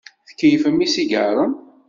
Tkeyyfem isigaṛen.